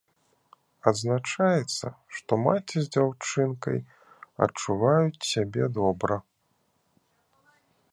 Адзначаецца, што маці з дзяўчынкай адчуваюць сябе добра.